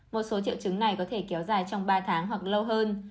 một số triệu chứng này có thể kéo dài trong ba tháng hoặc lâu hơn